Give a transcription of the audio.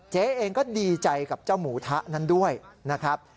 เจ๊เองก็ดีใจกับเจ้าหมูทะนั้นด้วยนะครับ